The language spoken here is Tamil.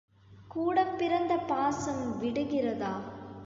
கூடப்பிறந்த பாசம் விடுகிறதா?